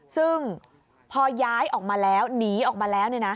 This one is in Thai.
ซึ่งพอย้ายออกมาแล้วหนีออกมาแล้ว